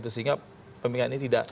sehingga pembingkang ini tidak